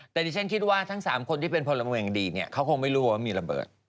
แต่ดิฉันคิดว่าทั้ง๓คนที่เป็นพลเมืองดีเนี่ยเขาคงไม่รู้ว่ามีระเบิด